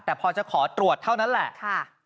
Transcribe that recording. แต่พอจะขอตรวจเท่านั้นแหละ